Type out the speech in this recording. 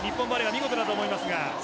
見事だったと思いますが。